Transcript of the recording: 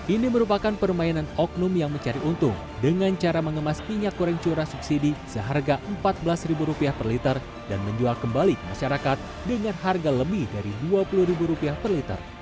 ini merupakan permainan oknum yang mencari untung dengan cara mengemas minyak goreng curah subsidi seharga rp empat belas per liter dan menjual kembali ke masyarakat dengan harga lebih dari dua puluh per liter